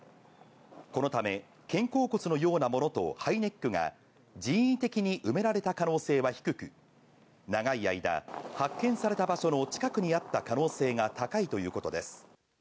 このため、肩甲骨のようなものとハイネックが人為的に埋められた可能性は低く、長い間、発見された場所の近くにあった可能性が高いということです。